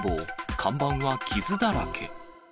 看板は傷だらけ。